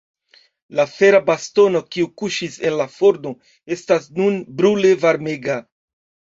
La fera bastono, kiu kuŝis en la forno, estas nun brule varmega.